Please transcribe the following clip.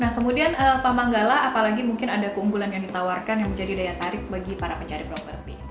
nah kemudian pak manggala apalagi mungkin ada keunggulan yang ditawarkan yang menjadi daya tarik bagi para pencari properti